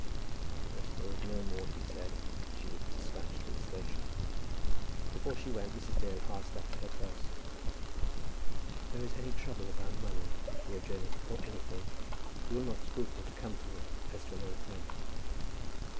Of course there was no more to be said, and she was despatched to the station. Before she went Mrs. Dale asked after her purse. "If there is any trouble about money, for your journey, or anything, you will not scruple to come to me as to an old friend."